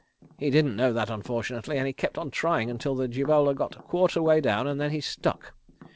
He didn't know that, unfortunately, and he kept on trying until the jibola got a quarter way down and then he stuck.